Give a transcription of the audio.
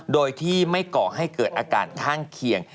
โดยที่ไม่ก่อให้เกิดอาการข้างเคียง